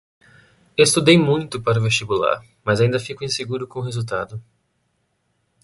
Estudei muito para o vestibular, mas ainda fico inseguro com o resultado.